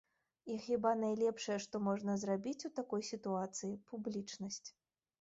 І хіба найлепшае, што можна зрабіць у такой сітуацыі, —публічнасць.